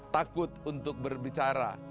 takut untuk berbicara